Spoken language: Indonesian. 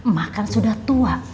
makan sudah tua